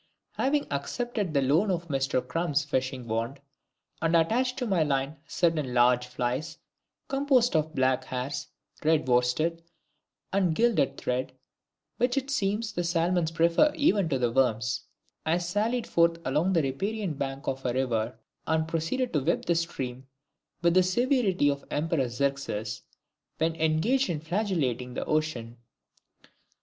Having accepted the loan of Mister CRUM'S fishing wand, and attached to my line certain large flies, composed of black hairs, red worsted, and gilded thread, which it seems the salmons prefer even to worms, I sallied forth along the riparian bank of a river, and proceeded to whip the stream with the severity of Emperor XERXES when engaged in flagellating the ocean.